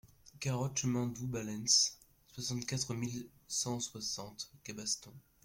quarante chemin Dous Balens, soixante-quatre mille cent soixante Gabaston